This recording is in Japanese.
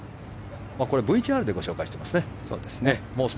ＶＴＲでご紹介しています。